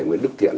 nguyễn đức thiện